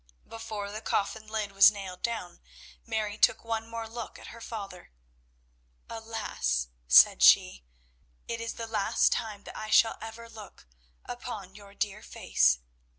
Before the coffin lid was nailed down, Mary took one more look at her father. "Alas," said she, "it is the last time that I shall ever look upon your dear face!